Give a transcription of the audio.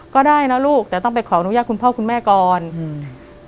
ก็ได้นะลูกแต่ต้องไปขออนุญาตคุณพ่อคุณแม่ก่อนอืม